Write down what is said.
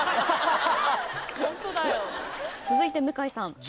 続いて向井さん。